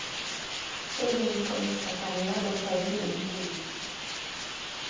Saihi commence sa carrière dans sa ville de Montpellier.